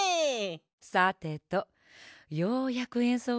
さてとようやくえんそうができるわ。